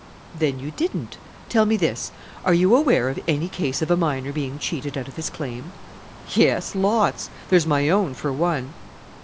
"Then you didn't. Tell me this, are you aware of any case of a miner being cheated out of his claim?" "Yes, lots. There's my own, for one."